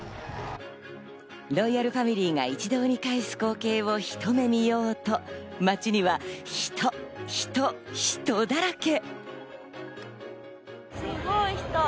ロイヤルファミリーが一堂に会す光景を一目見ようと街には人、人、人だらけ。